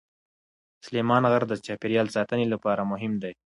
سلیمان غر د چاپیریال ساتنې لپاره مهم دی.